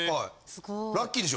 ラッキーでしょ？